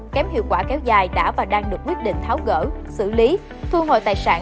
kém hiệu quả kéo dài đã và đang được quyết định tháo gỡ xử lý thu hồi tài sản